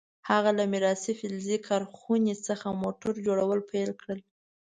هغه له میراثي فلزي کارخونې څخه موټر جوړول پیل کړل.